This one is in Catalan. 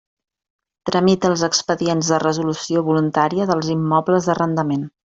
Tramita els expedients de resolució voluntària dels immobles d'arrendament.